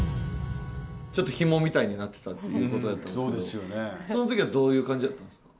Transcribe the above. ちょっとヒモみたいになってたっていうことやったんですけどそのときはどういう感じやったんですか？